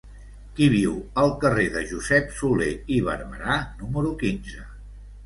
Qui viu al carrer de Josep Solé i Barberà número quinze?